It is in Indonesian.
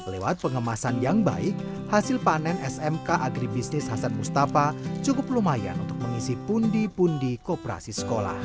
lewat pengemasan yang baik hasil panen smk agribisnis hasan mustafa cukup lumayan untuk mengisi pundi pundi kooperasi sekolah